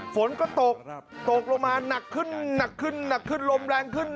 ฝนก็ตกตกลงมาหนักขึ้นหนักขึ้นหนักขึ้นลมแรงขึ้น